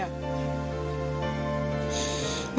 ่มันเร็วเกินไป